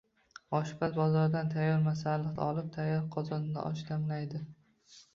Oshpaz bozordan tayyor masalliq olib, tayyor qozonda osh damlaydi.